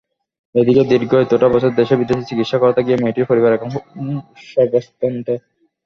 এদিকে দীর্ঘ এতটা বছর দেশে-বিদেশে চিকিৎসা করাতে গিয়ে মেয়েটির পরিবার এখন সর্বস্বান্ত।